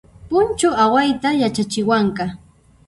Punchu awayta yachachiwanqa